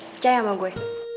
percaya sama gue